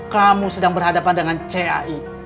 kamu sedang berhadapan dengan cai